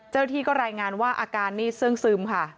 เจ้าที่ก็รายงานว่าอาการนี้ซึมค่ะ